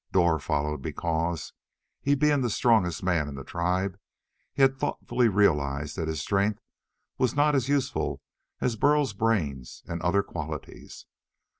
Dor followed because he being the strongest man in the tribe he had thoughtfully realized that his strength was not as useful as Burl's brains and other qualities.